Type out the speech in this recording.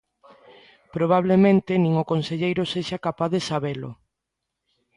Probablemente nin o conselleiro sexa capaz de sabelo.